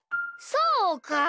そうか！